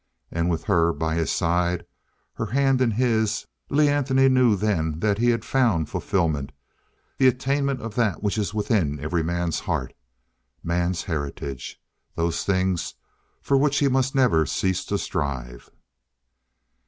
And with her by his side, her hand in his, Lee Anthony knew then that he had found fulfillment the attainment of that which is within every man's heart man's heritage those things for which he must never cease to strive.